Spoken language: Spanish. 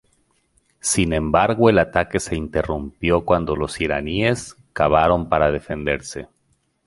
Sin embargo el ataque se interrumpió cuando los iraníes cavaron para defenderse.